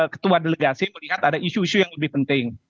ketua delegasi melihat ada isu isu yang lebih penting